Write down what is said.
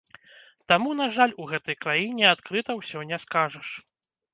Таму, на жаль, у гэтай краіне адкрыта ўсё не скажаш.